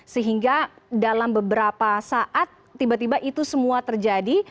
sehingga dalam beberapa saat tiba tiba itu semua terjadi